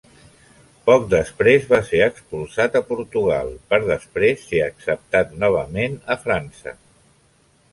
Poc després va ser expulsat a Portugal, per després ser acceptat novament a França.